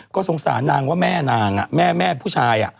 ก็สงสารนางว่าแม่นางแม่แม่ผู้ชาย